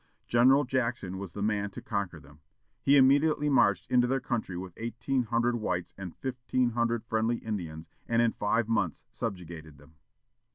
General Jackson was the man to conquer them. He immediately marched into their country with eighteen hundred whites and fifteen hundred friendly Indians, and in five months subjugated them.